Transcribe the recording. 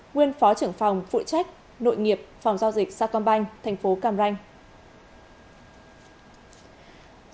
nguyên phó trưởng phòng phụ trách nội nghiệp phòng giao dịch saigon banh tp cam ranh